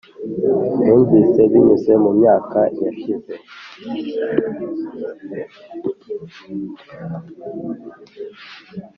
numvise binyuze mu myaka yashize